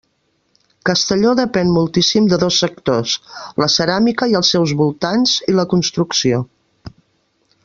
Castelló depèn moltíssim de dos sectors: la ceràmica i els seus voltants i la construcció.